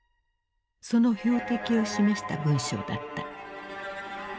その標的を示した文章だった。